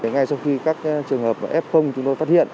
ngay sau khi các trường hợp f chúng tôi phát hiện